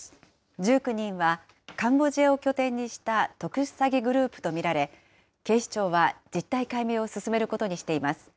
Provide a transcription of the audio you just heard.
１９人はカンボジアを拠点にした特殊詐欺グループと見られ、警視庁は実態解明を進めることにしています。